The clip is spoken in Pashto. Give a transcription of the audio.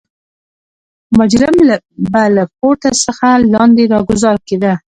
مجرم به له پورته څخه لاندې راګوزار کېده.